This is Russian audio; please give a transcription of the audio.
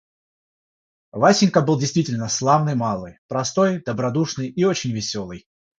Васенька был действительно славный малый, простой, добродушный и очень веселый.